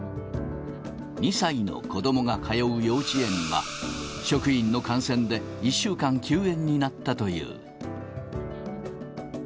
２歳の子どもが通う幼稚園が、職員の感染で１週間休園になったという。